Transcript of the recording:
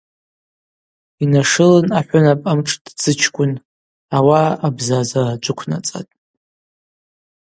Йнашылын ахӏвынап амшӏтдзычкӏвын, ауаъа абзазара джвыквнацӏатӏ.